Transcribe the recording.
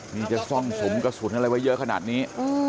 นี่จะซ่องสุมกระสุนอะไรไว้เยอะขนาดนี้